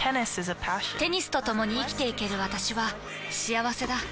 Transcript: テニスとともに生きていける私は幸せだ。